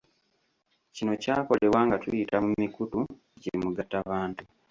Kino kyakolebwa nga tuyita mu mikutu gimugattabantu.